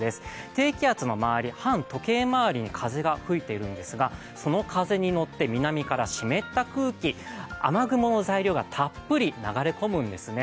低気圧の周り、反時計回りに風が吹いているんですがその風にのって南から湿った空気、雨雲の材料がたっぷり流れ込むんですね。